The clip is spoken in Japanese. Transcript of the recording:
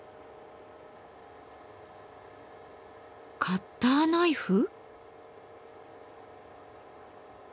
カッターナイフ？